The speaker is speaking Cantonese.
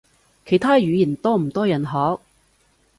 其他語言多唔多人學？